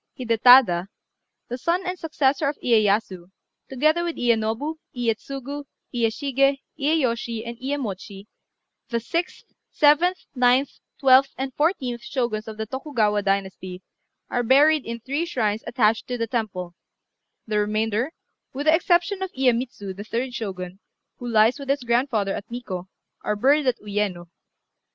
Hidétada, the son and successor of Iyéyasu, together with Iyénobu, Iyétsugu, Iyéshigé, Iyéyoshi, and Iyémochi, the sixth, seventh, ninth, twelfth, and fourteenth Shoguns of the Tokugawa dynasty, are buried in three shrines attached to the temple; the remainder, with the exception of Iyémitsu, the third Shogun, who lies with his grandfather at Nikkô, are buried at Uyéno.